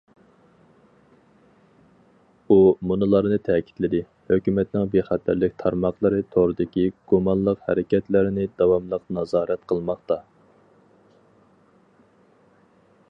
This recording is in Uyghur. ئۇ مۇنۇلارنى تەكىتلىدى: ھۆكۈمەتنىڭ بىخەتەرلىك تارماقلىرى توردىكى گۇمانلىق ھەرىكەتلەرنى داۋاملىق نازارەت قىلماقتا.